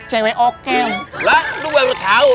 cewe oke wah lu baru tau